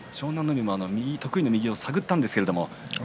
海も得意の右を探ったんですけれど。